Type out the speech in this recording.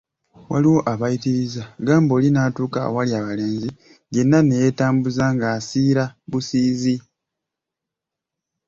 Waliwo abayitiriza, gamba oli n'atuuka awali abalenzi yenna ne yeetambuza ng'asiirabusiizi.